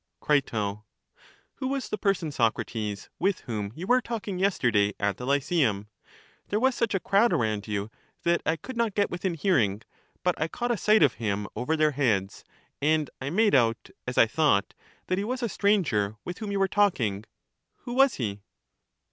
Crito, Who was the person, Socrates, with whom you were talking yesterday at the Lyceum? There was such a crowd around you that I could not get within hearing, but I caught a sight of him over their heads, and I made out, as I thought, that he was a stranger with whom you were talking : who was he